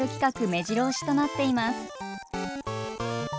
めじろ押しとなっています。